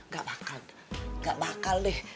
gak bakal deh